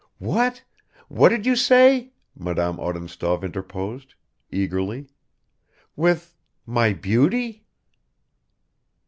"What? What did you say?" Madame Odintsov interposed eagerly, "with ... my beauty?"